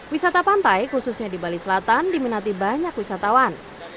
wisata pantai khususnya di bali selatan diminati banyak wisatawan